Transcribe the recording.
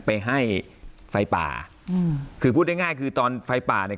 ไปให้ไฟป่าอืมคือพูดง่ายง่ายคือตอนไฟป่าเนี่ย